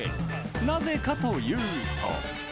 なぜかというと。